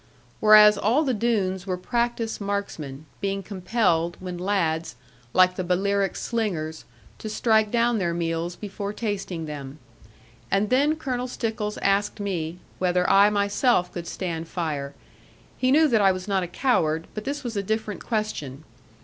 Whereas all the Doones were practised marksmen, being compelled when lads (like the Balearic slingers) to strike down their meals before tasting them. And then Colonel Stickles asked me, whether I myself could stand fire; he knew that I was not a coward, but this was a different question.